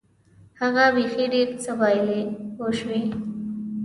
هغه بیخي ډېر څه بایلي پوه شوې!.